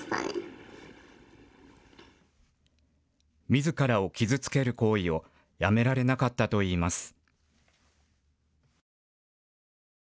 みずからを傷つける行為をやめられなかったといいます。